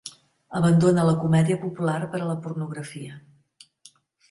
Abandona la comèdia popular per a la pornografia.